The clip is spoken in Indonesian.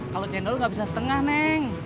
kalau jendol gak bisa setengah neng